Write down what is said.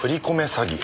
詐欺。